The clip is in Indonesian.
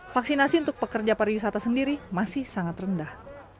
vaksinasi untuk pekerja pariwisata sendiri masih sangat rendah